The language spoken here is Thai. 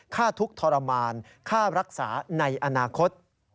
ทุกข์ทรมานค่ารักษาในอนาคต